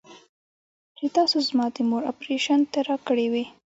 چې تاسو زما د مور اپرېشن ته راكړې وې.